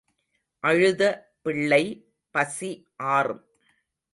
அழுத பிள்ளை பசி ஆறும்.